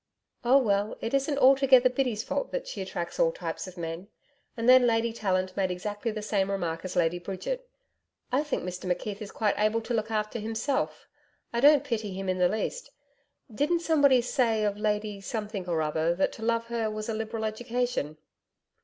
'Oh, well, it isn't altogether Biddy's fault that she attracts all types of men.' And then Lady Tallant made exactly the same remark as Lady Bridget. 'I think Mr McKeith is quite able to look after himself. I don't pity him in the least. Didn't somebody say of Lady Something or Other that to love her was a liberal education?'